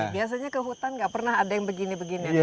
biasanya ke hutan nggak pernah ada yang begini begini